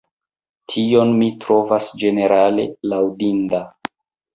Tion mi trovas ĝenerale laŭdinda.